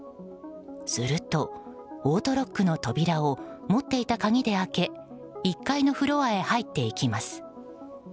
すると、オートロックの扉を持っていた鍵で開け１階のフロアへ入っていきます。